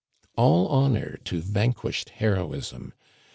All honor to vanquished heroism